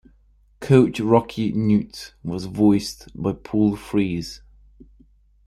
Coach Rocky Knute was voiced by Paul Frees.